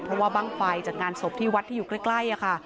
เพราะว่าบ้างไฟจากงานศพที่วัดที่อยู่ใกล้ค่ะ